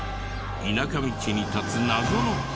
田舎道に立つ謎の箱。